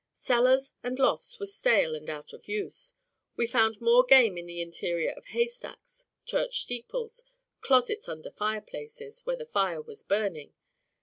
Cellars and lofts were stale and out of use; we found more game in the interior of haystacks, church steeples, closets under fireplaces where the fire was burning.